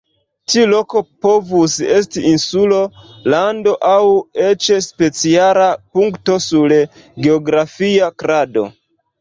Tiu loko povus esti insulo, lando aŭ eĉ speciala punkto sur geografia krado.